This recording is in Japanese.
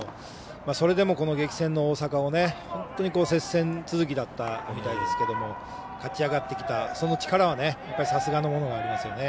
それでも激戦の大阪を本当に接戦続きだったみたいですけど勝ち上がってきた力はさすがなものがありますよね。